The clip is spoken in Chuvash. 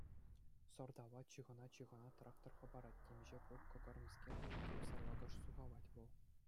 Сӑрталла, чыхӑна-чыхӑна, трактор хӑпарать, темиҫе плуг кӑкарнӑскер, тем сарлакӑш сухалать вӑл.